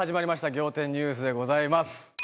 『仰天ニュース』でございます。